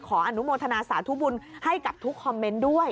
อนุโมทนาสาธุบุญให้กับทุกคอมเมนต์ด้วย